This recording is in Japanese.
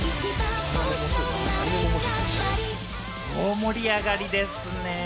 盛り上がりですね。